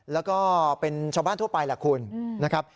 แล้วก็เป็นชาวบ้านทั่วไปแหละคุณนะครับ